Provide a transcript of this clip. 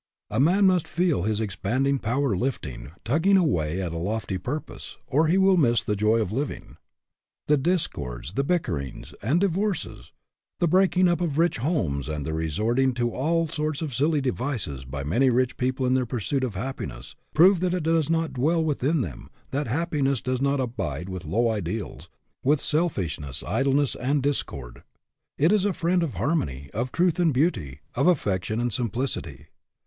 A man must feel his expanding power lifting, tugging away at a lofty purpose, or he will miss the joy of living. The discords, the bickerings, and divorces; the breaking up of rich homes, and the resort ing to all sorts of silly devices by many rich people in their pursuit of happiness, prove that it does not dwell within them ; that happi ness does not abide with low ideals, with sel HAPPY? IF NOT, WHY NOT? 155 fishness, idleness, and discord. It is a friend of harmony ; of truth and beauty ; of affection and simplicity.